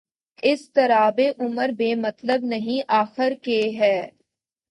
اضطرابِ عمر بے مطلب نہیں آخر کہ ہے